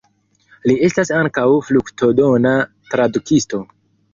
Li estis ankaŭ fruktodona tradukisto.